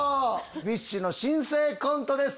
ＢｉＳＨの新生コントです。